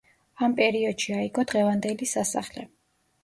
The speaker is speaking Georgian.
ამ პერიოდში აიგო დღევანდელი სასახლე.